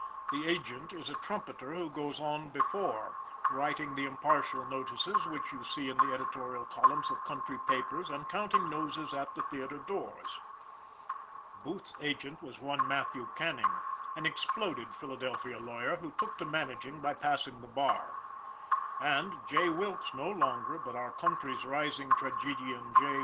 The agent is a trumpeter who goes on before, writing the impartial notices which you see in the editorial columns of country papers and counting noses at the theater doors. Booth's agent was one Matthew Canning, an exploded Philadelphia lawyer, who took to managing by passing the bar, and J. Wilkes no longer, but our country's rising tragedian. J.